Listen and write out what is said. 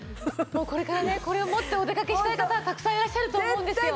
これからねこれを持ってお出かけしたい方がたくさんいらっしゃると思うんですよ。